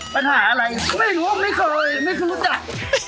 ปัญหาอะไรก็ไม่รู้ไม่เคยไม่เคยรู้จัก